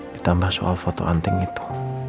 ditambah soal foto anting itu